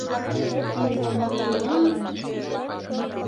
— Икмомак муам...